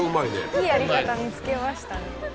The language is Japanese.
いいやり方見つけましたね。